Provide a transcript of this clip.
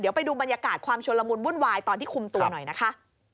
เดี๋ยวไปดูบรรยากาศความชุลมุนวุ่นวายตอนที่คุมตัวหน่อยนะคะ